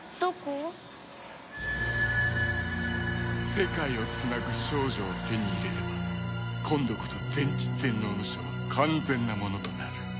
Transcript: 世界をつなぐ少女を手に入れれば今度こそ全知全能の書は完全なものとなる。